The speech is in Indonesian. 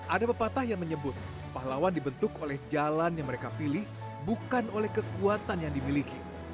ada pepatah yang menyebut pahlawan dibentuk oleh jalan yang mereka pilih bukan oleh kekuatan yang dimiliki